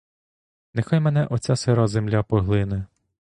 Нехай мене оця сира земля поглине!